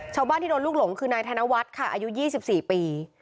ชาวบ้านที่โดนลูกหลงคือนายธนวัฒน์ค่ะอายุ๒๔ปี